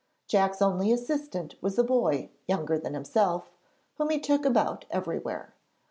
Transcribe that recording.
Jack's only assistant was a boy younger than himself, whom he took about everywhere.